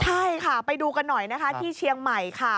ใช่ค่ะไปดูกันหน่อยนะคะที่เชียงใหม่ค่ะ